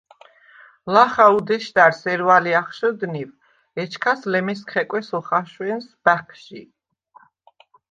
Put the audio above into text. ლახა უდეშდა̈რს ერვალე ახშჷდნივ, ეჩქას ლემესგ ხეკვეს ოხაშვენს ბაჴჟი.